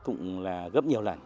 cũng là gấp nhiều lần